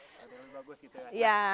ada yang lebih bagus gitu ya